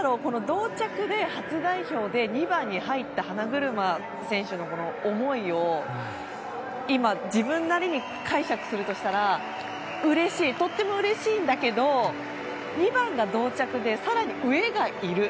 同着で初代表で２番に入った花車選手の思いを今、自分なりに解釈するとしたらうれしいとってもうれしいんだけど２番が同着で、更に上がいる。